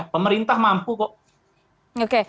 pemerintah mampu kok